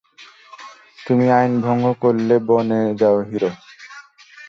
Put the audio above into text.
তুমি আইনভঙ্গ করলে বনে যাও হিরো।